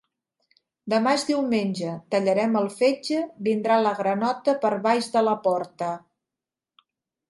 Demà és diumenge, tallarem el fetge, vindrà la granota per baix de la porta.